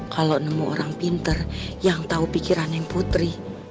kalau nemu orang pinter yang tahu pikiran yang putri